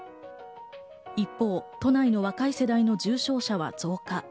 一方、都内の若い世代の重症者は増加。